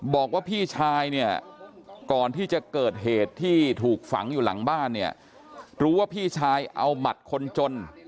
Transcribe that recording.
บอกว่าพี่ชายเนี่ยก่อนที่จะเกิดเหตุที่ถูกฝังอยู่หลังบ้านเนี่ยรู้ว่าพี่ชายเอาหมัดคนจน